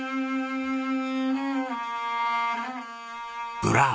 ブラーボ！